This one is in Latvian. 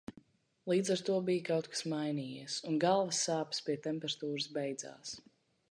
Līdz ar to bija kaut kas mainījies un galvas sāpes pie temperatūras beidzās.